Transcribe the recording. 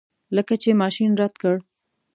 لکه چې ماشین رد کړ.